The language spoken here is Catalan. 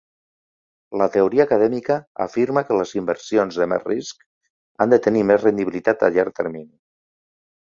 La teoria acadèmica afirma que les inversions de més risc han de tenir més rendibilitat a llarg termini.